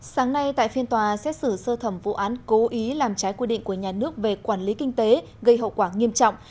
sáng nay tại phiên tòa xét xử sơ thẩm vụ án cố ý làm trái quy định của nhà nước về quản lý kinh tế gây hậu quả nghiêm trọng